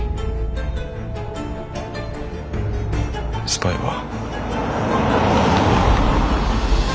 スパイは。